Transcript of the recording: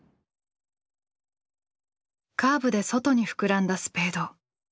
カーブで外に膨らんだスペード。